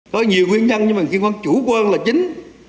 có nhiều nguyên nhân nhưng mà khi con chủ quan là chính